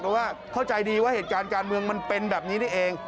เพราะว่าเข้าใจดีว่าเหตุการณ์การเมืองมันเป็นแบบนี้นี่เอง